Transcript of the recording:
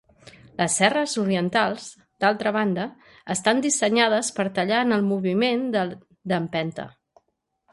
Les serres orientals, d'altra banda, estan dissenyades per tallar en el moviment de d'empenta.